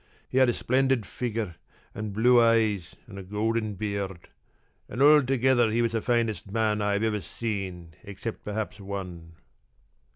He had a splendid figure and blue eyes and a golden beard, and altogether he was the finest man I have ever seen except perhaps one."